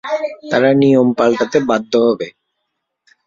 তারা নিয়ম পাল্টাতে বাধ্য হবে।